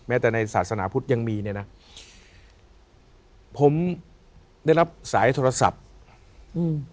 แต่ในศาสนาพุทธยังมีเนี่ยนะผมได้รับสายโทรศัพท์อืม